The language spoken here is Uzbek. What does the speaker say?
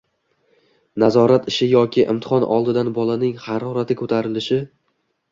Nazorat ishi yoki imtihon oldidan bolaning harorati ko‘tarilishi